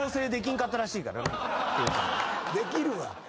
できるわ。